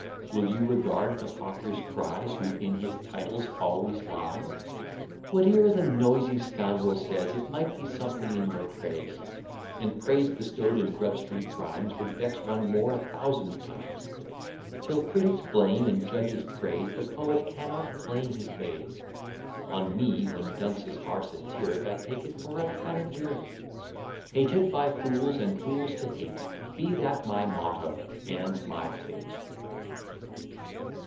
Will you regard the hawker's cries, Who in his titles always lies? Whate'er the noisy scoundrel says, It might be something in your praise; And praise bestow'd in Grub Street rhymes, Would vex one more a thousand times. Till critics blame, and judges praise, The poet cannot claim his bays. On me when dunces are satiric, I take it for a panegyric. Hated by fools, and fools to hate, Be that my motto, and my fate.